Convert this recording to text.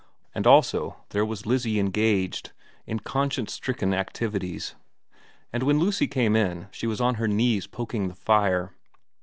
Also there was Lizzie, engaged in conscience stricken activities, and when Lucy came in she was on her knees poking the fire.